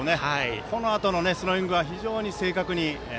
このあとのスローイングは非常に正確に。